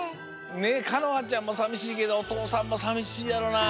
かのはちゃんもさみしいけどおとうさんもさみしいやろうな。